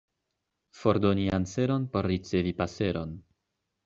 Fordoni anseron, por ricevi paseron.